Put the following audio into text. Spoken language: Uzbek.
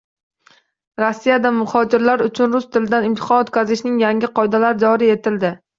Rossiyada muhojirlar uchun rus tilidan imtihon o‘tkazishning yangi qoidalari joriy etildi